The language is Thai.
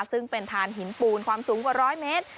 ซึ่งเป็นฐานหินปูนความสูงกว่า๑๐๐เมตร